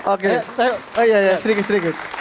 oh iya ya sedikit sedikit